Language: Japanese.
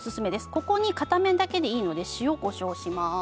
ここに片面だけでいいので塩、こしょうをします。